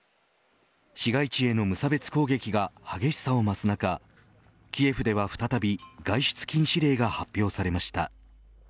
市街地への無差別攻撃が激しさを増す中キエフでは再び外出禁止令が発表されました。